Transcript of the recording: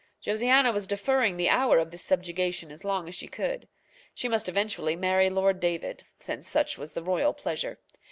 Josiana was deferring the hour of this subjection as long as she could. She must eventually marry Lord David, since such was the royal pleasure.